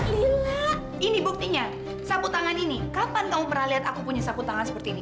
lila ini buktinya sabu tangan ini kapan kamu pernah lihat aku punya sabu tangan seperti ini